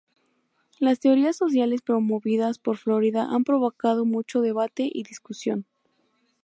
Las teorías sociales promovidas por Florida han provocado mucho debate y discusión.